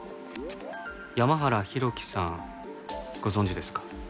山原浩喜さんご存じですか？